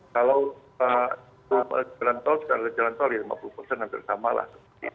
kalau jalan tol sekarang ada jalan tol ya lima puluh hampir sama lah